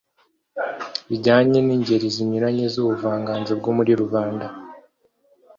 bijyanye n’ingeri zinyuranye z’ubuvanganzo bwo muri rubanda.